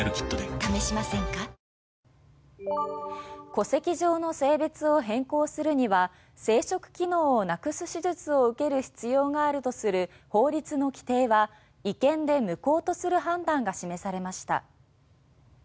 戸籍上の性別を変更するには生殖機能をなくす手術を受ける必要があるとする法律の規定は違憲で無効とする判断が示されました。